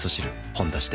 「ほんだし」で